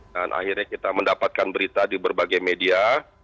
dan akhirnya kita mendapatkan berita di berbagai media